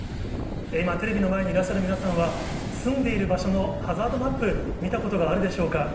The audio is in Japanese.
今、テレビの前にいらっしゃる皆さんは、住んでいる場所のハザードマップ、見たことがあるでしょうか。